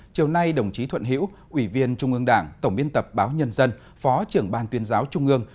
chiều nay đồng chí thuận hiễu ủy viên trung ương đảng tổng biên tập báo nhân dân phó trưởng ban tuyên giáo trung ương